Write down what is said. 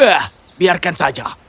eh biarkan saja